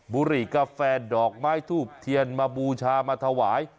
บุหรี่กาแฟดอกไม้ทูบเทียนมาบูชามาถวาย